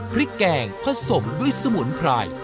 พริกแกงผสมด้วยสมุนไพร